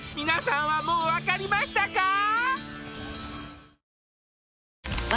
皆さんはもうわかりましたか？